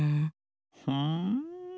ふん？